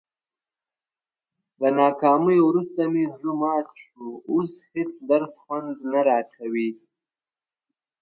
له ناکامۍ ورسته مې زړه مات شو، اوس هېڅ درس خوند نه راکوي.